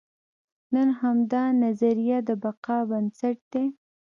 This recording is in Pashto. نن همدا نظریه د بقا بنسټ دی.